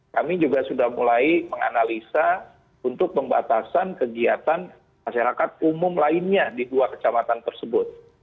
kami juga sudah mulai menganalisa untuk pembatasan kegiatan masyarakat umum lainnya di dua kecamatan tersebut